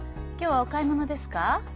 今日はお買い物ですか？